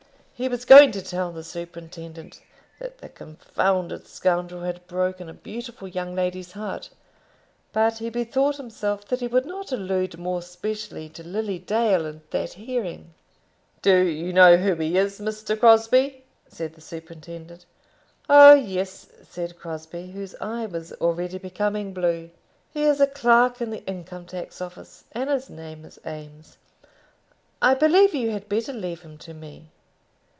He was going to tell the superintendent that the confounded scoundrel had broken a beautiful young lady's heart; but he bethought himself that he would not allude more specially to Lily Dale in that hearing. "Do you know who he is, Mr. Crosbie?" said the superintendent. "Oh, yes," said Crosbie, whose eye was already becoming blue. "He is a clerk in the Income tax Office, and his name is Eames. I believe you had better leave him to me."